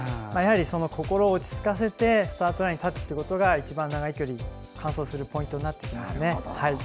やはり、心を落ち着かせてスタートラインに立つことが一番、長い距離を完走するポイントになってきます。